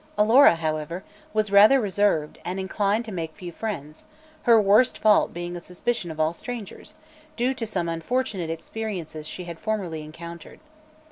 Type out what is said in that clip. Alora, however, was rather reserved and inclined to make few friends, her worst fault being a suspicion of all strangers, due to some unfortunate experiences she had formerly encountered.